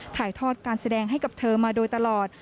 ถ่ายทอดการแสดงให้กับเธอมาโดยตลอด